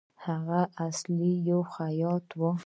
هغه اصلاً یو خیاط وو.